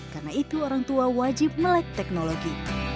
karena itu orang tua wajib melek teknologi